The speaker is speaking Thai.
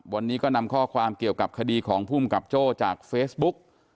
วันนี้ก็นำข้อความเกี่ยวกับคดีของภูมิกับโจ้จากเฟซบุ๊ก